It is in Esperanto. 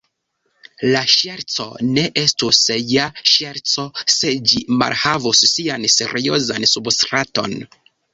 La ŝerco ne estus ja ŝerco, se ĝi malhavus sian seriozan substraton.